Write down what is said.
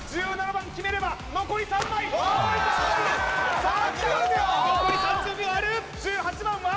番決めれば残り３枚さあきた残り３０秒ある１８番は？